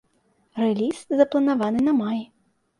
Рэліз запланаваны на май.